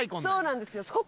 そうなんですよ。